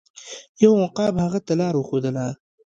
یو عقاب هغه ته لاره وښودله.